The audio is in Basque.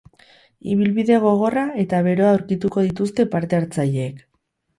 Ibilbide gogorra eta beroa aurkitu dituzte parte hartzaileek.